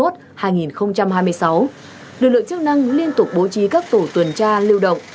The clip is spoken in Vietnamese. lực lượng chức năng liên tục bố trí các tổ tuần tra lưu động